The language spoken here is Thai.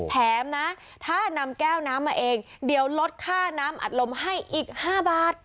แถมนะถ้านำแก้วน้ำมาเองเดี๋ยวลดค่าน้ำอัดลมให้อีก๕บาท